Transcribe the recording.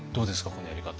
このやり方。